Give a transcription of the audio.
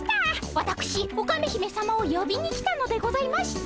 わたくしオカメ姫さまをよびに来たのでございました。